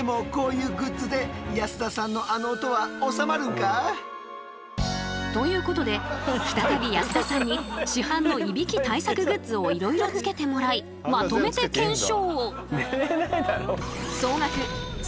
こうしたということで再び安田さんに市販のいびき対策グッズをいろいろつけてもらいまとめて検証。